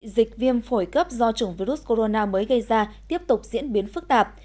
dịch viêm phổi cấp do chủng virus corona mới gây ra tiếp tục diễn biến phức tạp